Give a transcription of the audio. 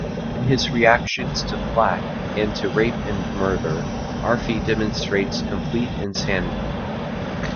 In his reactions to flak, and to rape and murder, Aarfy demonstrates complete insanity.